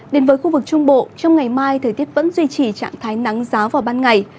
đến với khu vực trung bộ trong ngày mai thời tiết vẫn duy trì trạng thái nắng giáo vào ban ngày